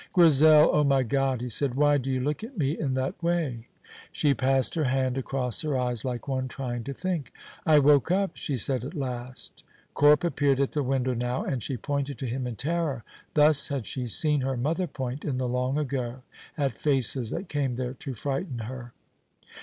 "Grizel! Oh, my God!" he said, "why do you look at me in that way?" She passed her hand across her eyes, like one trying to think. "I woke up," she said at last. Corp appeared at the window now, and she pointed to him in terror. Thus had she seen her mother point, in the long ago, at faces that came there to frighten her.